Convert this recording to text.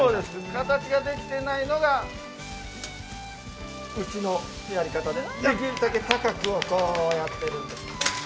形ができてないのでうちのやり方で、できるだけ高くやってるんです。